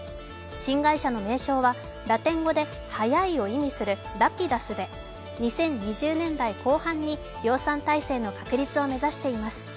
新会社の名称はラテン語で「速い」を意味するＲａｐｉｄｕｓで２０２０年代後半に量産体制の確立を目指しています。